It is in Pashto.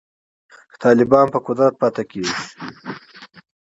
که طالبان په قدرت پاتې کیږي